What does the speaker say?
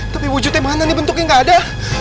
tapi wujudnya mana nih bentuknya nggak ada